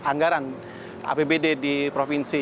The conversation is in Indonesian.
anggaran apbd di provinsi